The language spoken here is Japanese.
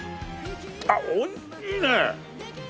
あっおいしいね！